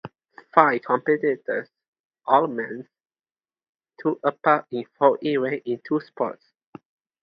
Five competitors, all men, took part in four events in two sports.